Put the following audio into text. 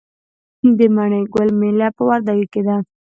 د مڼې ګل میله په وردګو کې ده.